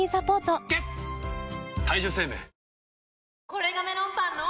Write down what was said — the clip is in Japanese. これがメロンパンの！